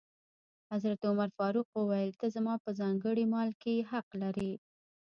حضرت عمر فاروق وویل: ته زما په ځانګړي مال کې حق لرې.